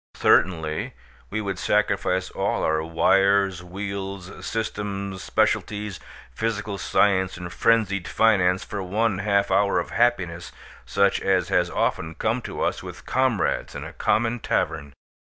Certainly, we would sacrifice all our wires, wheels, systems, specialties, physical science and frenzied finance for one half hour of happiness such as has often come to us with comrades in a common tavern.